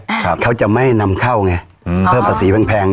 ครับเขาจะไม่นำเข้าไงอืมเพิ่มภาษีแพงแพง